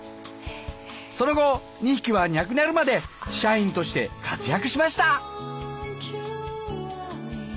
その後２匹は亡くにゃるまで社員として活躍しました。